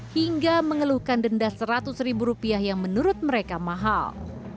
hingga mengeluhkan denda seratus ribu rupiah yang menurut mereka mahal